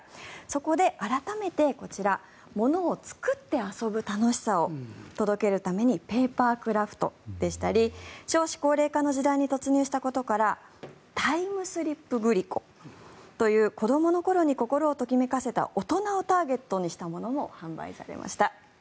そこで、改めて物を作って遊ぶ楽しさを届けるためにペーパークラフトでしたり少子高齢化の時代に突入したことからタイムスリップグリコという子どもの頃に心をときめかせた大人をターゲットにしたものも販売されました。